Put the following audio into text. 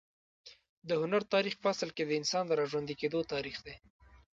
د هنر تاریخ په اصل کې د انسان د راژوندي کېدو تاریخ دی.